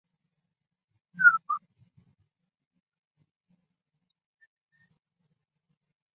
最早提到徐福的是源隆国的今昔物语。